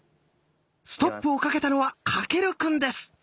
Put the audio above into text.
ストップをかけたのは翔くんです。